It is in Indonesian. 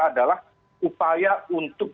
adalah upaya untuk